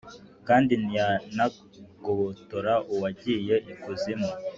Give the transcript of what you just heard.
kandi ntiyanagobotora uwagiye Ikuzimu.